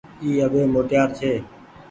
اي اٻي موٽيار ڇي۔